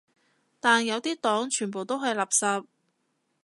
但有啲黨全部都係垃圾